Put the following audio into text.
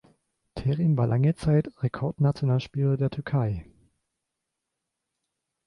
Terim war lange Zeit Rekordnationalspieler der Türkei.